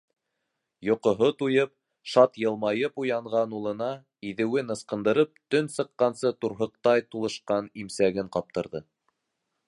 Йоҡоһо туйып, шат йылмайып уянған улына, иҙеүен ысҡындырып, төн сыҡҡансы турһыҡтай тулышҡан имсәген ҡаптырҙы...